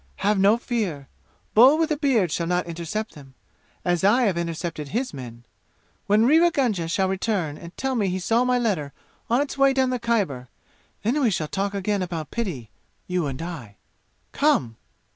Have no fear. Bull with a beard shall not intercept them, as I have intercepted his men. When Rewa Gunga shall return and tell me he saw my letter on its way down the Khyber, then we shall talk again about pity you and I! Come!"